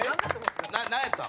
何やった？